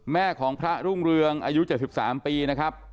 แม่ของพระรุ่งเรืองอายุ๗๓ปีนะครับ